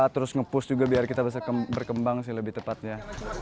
terus nge push juga biar kita bisa berkembang sih lebih tepatnya